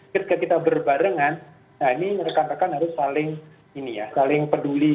ketika kita berbarengan ini mereka mereka harus saling peduli